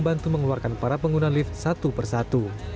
membantu mengeluarkan para pengguna lift satu per satu